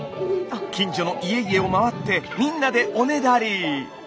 近所の家々を回ってみんなでおねだり。